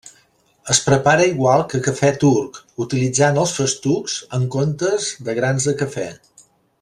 Es prepara igual que cafè turc, utilitzant els festucs en comptes de grans de cafè.